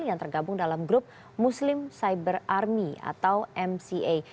yang tergabung dalam grup muslim cyber army atau mca